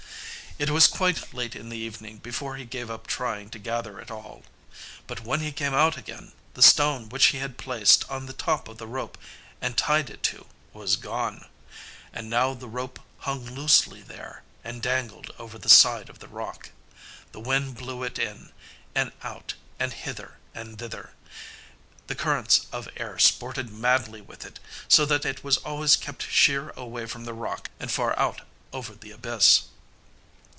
It was quite late in the evening before he gave up trying to gather it all. But when he came out again, the stone which he had placed on the top of the rope and tied it to was gone. And now the rope hung loosely there, and dangled over the side of the rock. The wind blew it in and out and hither and thither. The currents of air sported madly with it, so that it always kept sheer away from the rock and far out over the abyss.